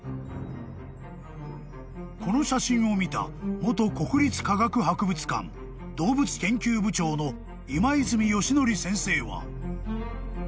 ［この写真を見た元国立科学博物館動物研究部長の今泉吉典先生は］